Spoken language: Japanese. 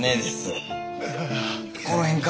この辺か？